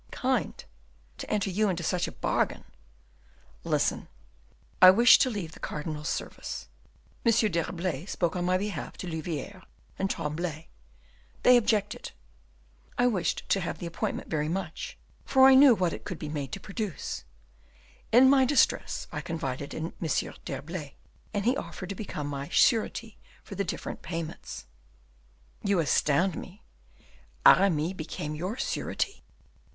"Kind! to make you enter into such a bargain!" "Listen! I wished to leave the cardinal's service. M. d'Herblay spoke on my behalf to Louviere and Tremblay they objected; I wished to have the appointment very much, for I knew what it could be made to produce; in my distress I confided in M. d'Herblay, and he offered to become my surety for the different payments." "You astound me! Aramis became your surety?"